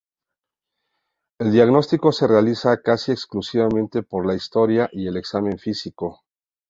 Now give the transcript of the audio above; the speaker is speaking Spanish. El diagnóstico se realiza casi exclusivamente por la historia y el examen físico.